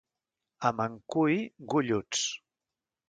A Mencui, golluts.